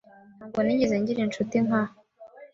Ntabwo nigeze ngira inshuti nka